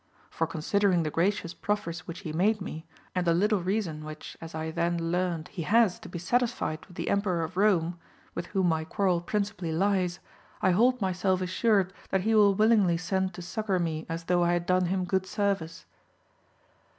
For con sidering the gracious proffers which he made me, and the little reason which as I then learnt he has to be satis fied with the Emperor of Rome, with whom my quarrel &0 AMADIS OF GAUL. principally lies; I hold myself assured that he will willingly send to succour me as though I had done him good service.